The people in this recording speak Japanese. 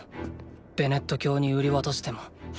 ベネット教に売り渡しても。